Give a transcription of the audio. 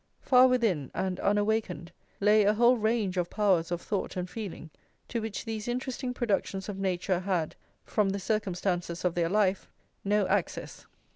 Far within, and unawakened, lay a whole range of powers of thought and feeling, to which these interesting productions of nature had, from the circumstances of their life, no access.